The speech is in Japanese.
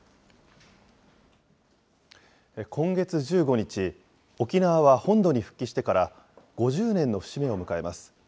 今月１５日、沖縄は本土に復帰してから５０年の節目を迎えます。